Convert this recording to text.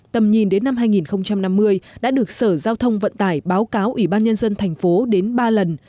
tầm nhìn đến năm hai nghìn năm mươi đã được sở giao thông vận tải báo cáo ủy ban nhân dân thành phố đến ba lần